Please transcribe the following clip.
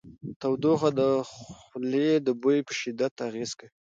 تودوخه د خولې د بوی په شدت اغېز کوي.